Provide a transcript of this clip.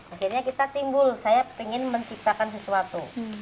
akhirnya kita timbul saya ingin menciptakan sesuatu